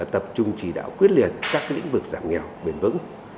tập trung chỉ đạo quyết liệt các lĩnh vực giảm nghèo bền vững